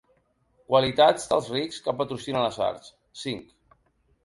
Qualitats dels rics que patrocinen les arts. cinc.